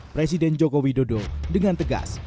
presiden joko widodo dengan tegas